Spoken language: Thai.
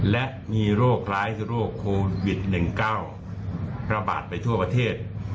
และมีโรคร้ายโรคโควิด๑๙ระบาดไปทั่วประเทศ